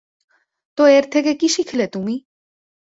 তো এর থেকে কি শিখলে তুমি?